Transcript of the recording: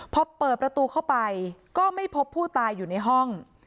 พอเปิดประตูเข้าไปก็ไม่พบผู้ตายอยู่ในห้อง